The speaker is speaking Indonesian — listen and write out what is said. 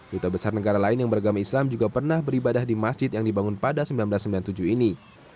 duta besar negara lain yang beragama islam juga pernah beribadah di masjid yang dibangun pada seribu sembilan ratus sembilan puluh tujuh ini